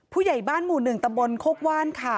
ผู้ใหญ่บ้านหมู่หนึ่งตะบนโคกว่านค่ะ